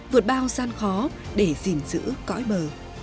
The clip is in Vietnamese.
vượt bao gian khó để gìn giữ cõi bờ